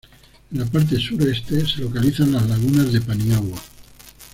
En la parte sureste se localizan las lagunas de Paniagua.